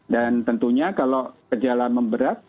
dan tentunya kalau kejalaan memberat